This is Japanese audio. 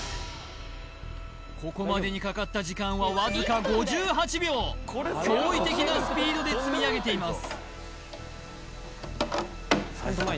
ここまでにかかった時間はわずか５８秒驚異的なスピードで積み上げています